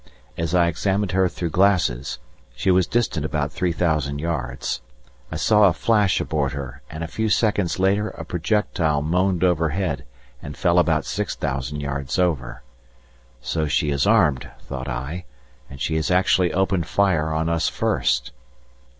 As I examined her through glasses she was distant about 3,000 yards I saw a flash aboard her and a few seconds later a projectile moaned overhead and fell about 6,000 yards over. So she is armed, thought I, and she has actually opened fire on us first.